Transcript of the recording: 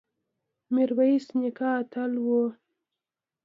میرویس نیکه اتل و